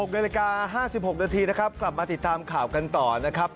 ๖นาที๕๖นาทีกลับมาติดตามข่าวกันต่อนะครับ